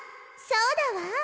そうだわ！